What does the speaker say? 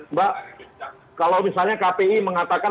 mbak kalau misalnya kpi mengatakan